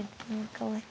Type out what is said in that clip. かわいい。